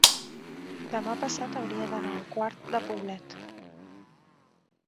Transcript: Demà passat hauria d'anar a Quart de Poblet.